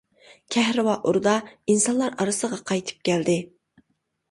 كەھرىۋا ئوردا «ئىنسانلار ئارىسىغا» قايتىپ كەلدى.